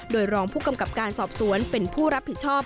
โดยรองผู้กำกับการสอบสวนเป็นผู้รับผิดชอบ